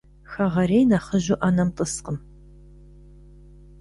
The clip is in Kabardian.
Хэгъэрейр нэхъыжьу ӏэнэм тӏыскъым.